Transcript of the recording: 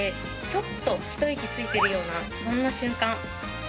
「ちょっと一息ついてるようなそんな瞬間」